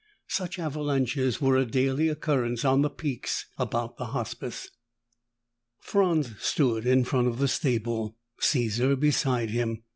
Such avalanches were a daily occurrence on the peaks about the Hospice. Franz stood in front of the stable, Caesar beside him.